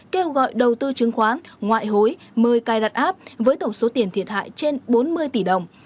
kêu gọi đầu tư chứng khoán ngoại hối mời cài đặt app với tổng số tiền thiệt hại trên bốn mươi tỷ đồng